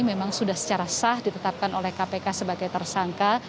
memang sudah secara sah ditetapkan oleh kpk sebagai tersangka